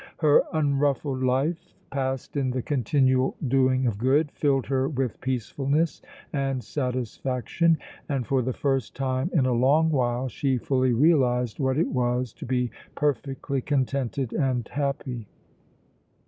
Her unruffled life, passed in the continual doing of good, filled her with peacefulness and satisfaction, and for the first time in a long while she fully realized what it was to be perfectly contented and happy.